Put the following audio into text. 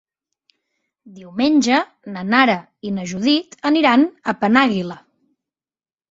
Diumenge na Nara i na Judit aniran a Penàguila.